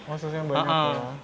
oh susunya banyak ya